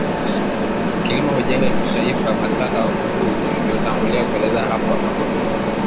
Kilimo hujenga taifaKama mtaala huu ulivotangulia kuelezea hapo nyuma